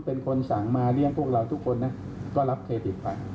เป็นคนสั่งมาเลี้ยงพวกเราทุกคนนะก็รับเครดิตไป